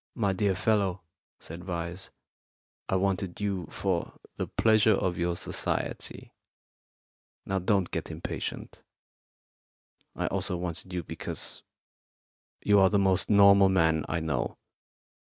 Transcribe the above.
"My dear fellow," said Vyse, "I wanted you for the pleasure of your society. Now, don't get impatient. I also wanted you because you are the most normal man I know.